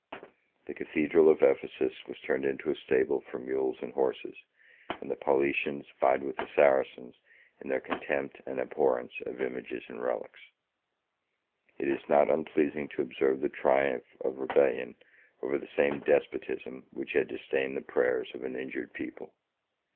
The cathedral of Ephesus was turned into a stable for mules and horses; and the Paulicians vied with the Saracens in their contempt and abhorrence of images and relics. It is not unpleasing to observe the triumph of rebellion over the same despotism which had disdained the prayers of an injured people.